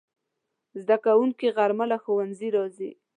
زدهکوونکي غرمه له ښوونځي راځي